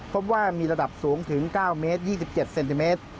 พบว่ามีระดับสูงถึง๙เมตร๒๗เซนติเมตร